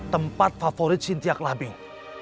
tempat favorit sintia klubbing